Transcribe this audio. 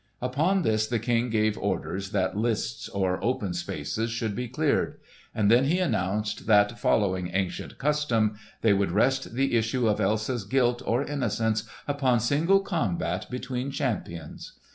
Upon this the King gave orders that lists, or open spaces, should be cleared; and then he announced that, following ancient custom, they would rest the issue of Elsa's guilt or innocence upon single combat between champions.